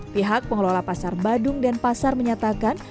pihak pengelola pasar badung dan pasar menyatakan